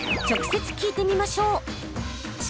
直接聞いてみましょう！